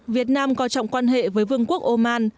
việt nam coi trọng quan hệ với vương quốc oman